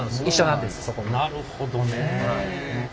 なるほどねえ。